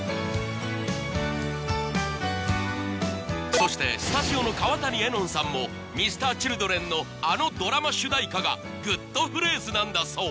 そしてスタジオの川谷絵音さんもＭｒ．Ｃｈｉｌｄｒｅｎのあのドラマ主題歌がグッとフレーズなんだそう